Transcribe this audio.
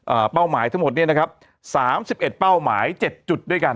เป้าหมายทั้งหมดเนี้ยนะครับสามสิบเอ็ดเป้าหมายเจ็ดจุดด้วยกัน